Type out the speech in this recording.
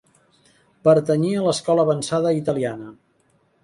Pertanyia a l'escola avançada italiana.